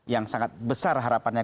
yang sangat besar harapannya